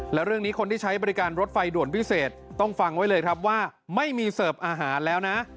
แล้วเรื่องนี้คนที่ใช้บริการรถไฟด่วนพิเศษต้องฟังไว้เลยครับว่าไม่มีเสิร์ฟอาหารแล้วนะ